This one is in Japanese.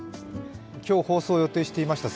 今日放送を予定していました